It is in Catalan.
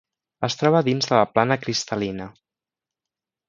Es troba dins de la plana cristal·lina.